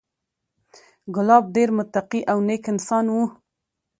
کلاب ډېر متقي او نېک انسان و،